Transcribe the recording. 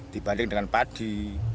dibandingkan dengan panen